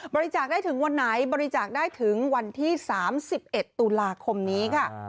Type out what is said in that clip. บริจาคได้ถึงวันไหนบริจาคได้ถึงวันที่๓๑ตุลาคมนี้ค่ะ